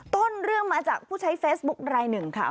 ต้นเรื่องมาจากผู้ใช้เฟซบุ๊คลายหนึ่งค่ะ